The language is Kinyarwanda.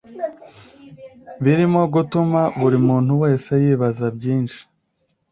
Birimo gutuma buri muntu wese yibaza byinshi